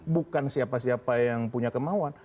bukan siapa siapa yang punya kemauan